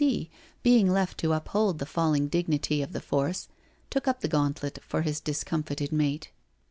B. C, being left to uphold the fall ing dignity of the force, took up the gauntlet for his discomfited mate.